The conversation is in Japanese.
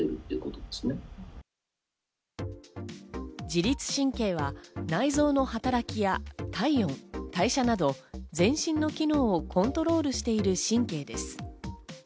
自律神経は内臓の働きや体温・代謝など全身の機能をコントロールしている神経です。